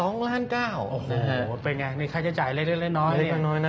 โอ้โหเป็นไงนี่ค่าใช้จ่ายเล็กน้อย